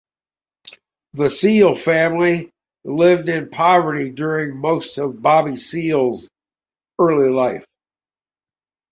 The Seale family lived in poverty during most of Bobby Seale's early life.